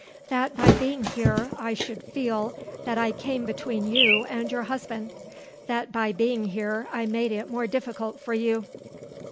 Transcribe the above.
"That by being here I should feel that I came between you and your husband. That by being here I made it more difficult for you."